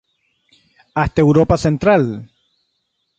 Hasta Europa central.